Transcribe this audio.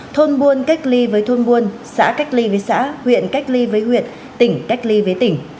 thôn buôn cách ly với thôn buôn xã cách ly với xã huyện cách ly với huyện tỉnh cách ly với tỉnh